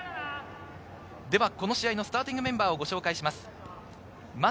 この試合のスターティングメンバーをご紹介します。